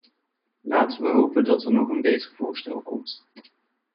Laten we hopen dat er nog een beter voorstel komt.